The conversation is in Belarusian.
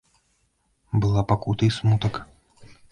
Была пакута і смутак.